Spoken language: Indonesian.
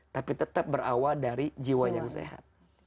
tapi tetap berawal dari jiwa yang sehat